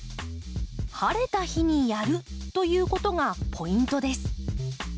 晴れた日にやるということがポイントです。